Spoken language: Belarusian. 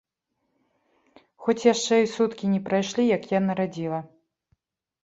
Хоць яшчэ і суткі не прайшлі, як я нарадзіла.